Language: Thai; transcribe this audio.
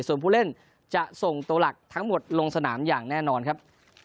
ส่วนผู้เล่นจะส่งตัวหลักทั้งหมดลงสนามอย่างแน่นอนครับ